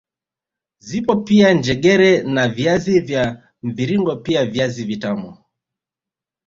Zipo pia njegere na viazi vya mviringo pia viazi vitamu